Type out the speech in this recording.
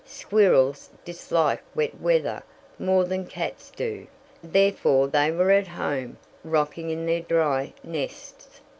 Squirrels dislike wet weather more than cats do; therefore they were at home rocking in their dry nests.